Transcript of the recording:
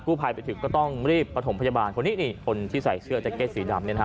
ภัยไปถึงก็ต้องรีบประถมพยาบาลคนนี้นี่คนที่ใส่เสื้อแจ็กเก็ตสีดำเนี่ยนะฮะ